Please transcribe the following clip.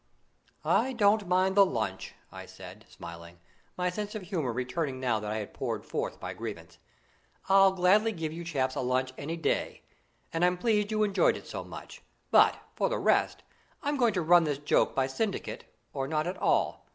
"I don't mind the lunch," I said, smiling, my sense of humour returning now that I had poured forth my grievance. "I'd gladly give you chaps a lunch any day, and I'm pleased you enjoyed it so much. But, for the rest, I'm going to run this joke by syndicate, or not at all.